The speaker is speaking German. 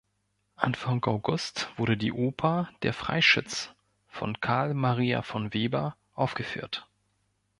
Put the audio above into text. Anfang August wurde die Oper Der Freischütz von Carl Maria von Weber aufgeführt.